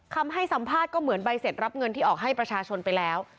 คำให้สัมภาษณ์ก็เหมือนใบเสร็จรับเงินที่ออกให้ประชาชนไปแล้ว